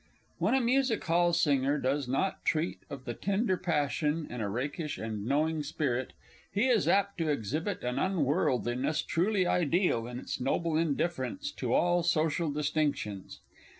When a Music hall singer does not treat of the tender passion in a rakish and knowing spirit, he is apt to exhibit an unworldliness truly ideal in its noble indifference to all social distinctions.